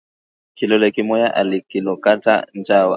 Kilole kimoya akilokotake nchawa